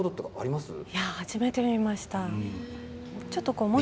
初めて見ました。